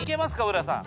浦さん。